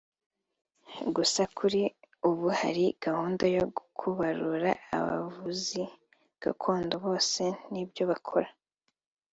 Gusa kuri ubu hari gahunda yo kubarura abavuzi gakondo bose n’ibyo bakora